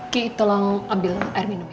ki tolong ambil air minum ya